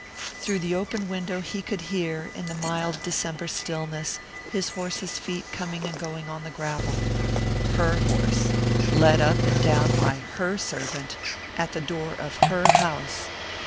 Through the open window he could hear, in the mild December stillness, his horse's feet coming and going on the gravel. Her horse, led up and down by her servant, at the door of her house!...